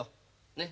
ねっ。